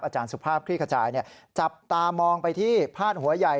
สุภาพคลี่ขจายจับตามองไปที่พาดหัวใหญ่